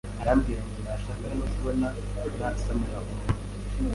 arambwira ngo ntashaka no kubona nasamura umunwa